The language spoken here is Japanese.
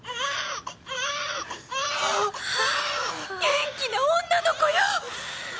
元気な女の子よ！